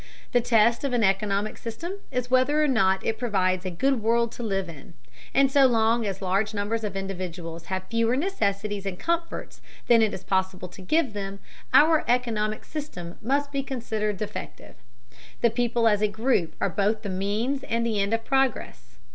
The test of an economic system is whether or not it provides a good world to live in, and so long as large numbers of individuals have fewer necessities and comforts than it is possible to give them, our economic system must be considered defective. The people as a group are both the means and the end of progress.